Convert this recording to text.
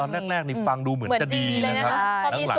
แรกนี่ฟังดูเหมือนจะดีนะครับ